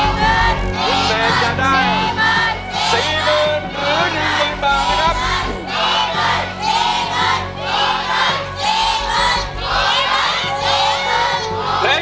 ลุกแมนจะได้๔หมื่นหรือ๑ลีบ้างนะครับ